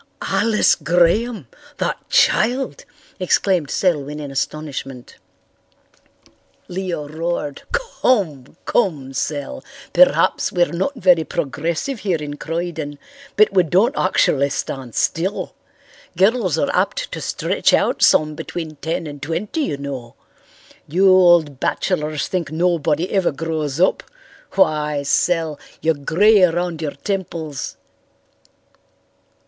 "Alice Graham! That child!" exclaimed Selwyn in astonishment. Leo roared. "Come, come, Sel, perhaps we're not very progressive here in Croyden, but we don't actually stand still. Girls are apt to stretch out some between ten and twenty, you know. You old bachelors think nobody ever grows up. Why, Sel, you're grey around your temples."